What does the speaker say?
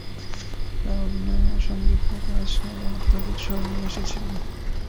তাঁর অভিনয় ও সংগীত প্রকাশ আরও আধ্যাত্মিক স্বর নিয়ে এসেছিল।